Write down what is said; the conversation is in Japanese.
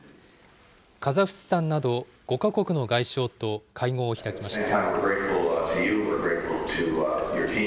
カザフスタンなど５か国の外相と会合を開きました。